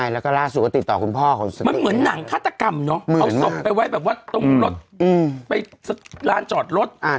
แล้วก็ล่าสุดก็ติดต่อคุณพ่อเขาสิมันเหมือนหนังฆาตกรรมเนาะเอาศพไปไว้แบบว่าตรงรถไปร้านจอดรถ